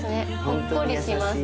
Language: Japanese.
ほっこりします。